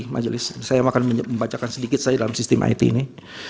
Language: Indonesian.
majelis saya akan membacakan sedikit saya dalam sistem it ini